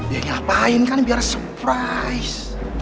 ya ngapain kan biar surprise